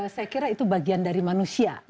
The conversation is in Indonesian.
saya kira itu bagian dari manusia